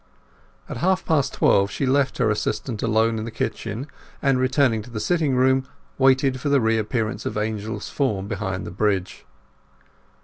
At half past twelve she left her assistant alone in the kitchen, and, returning to the sitting room, waited for the reappearance of Angel's form behind the bridge.